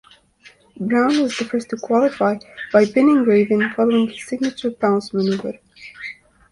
Brown was the first to qualify by pinning Raven following his signature Pounce maneuver.